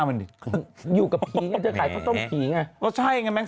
มันดิอยู่กับผีไงเธอขายท่อต้มผีไงแล้วใช่อย่างนั้นแม่ง